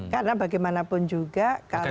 karena bagaimanapun juga